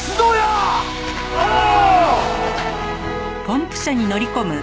おう！